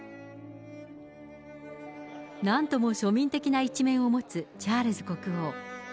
なんとも庶民的な一面を持つチャールズ国王。